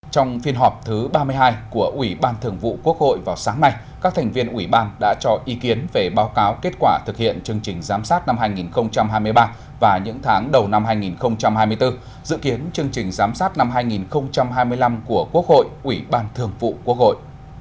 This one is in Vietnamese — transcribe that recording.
trong phiên họp thứ ba mươi hai của ủy ban thường vụ quốc hội vào sáng nay các thành viên ủy ban đã cho ý kiến về báo cáo kết quả thực hiện chương trình giám sát năm hai nghìn hai mươi ba và những tháng đầu năm hai nghìn hai mươi bốn dự kiến chương trình giám sát năm hai nghìn hai mươi năm của quốc hội ủy ban thường vụ quốc hội